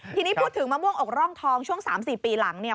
ทีนี้พูดถึงมะม่วงอกร่องทองช่วง๓๔ปีหลังเนี่ย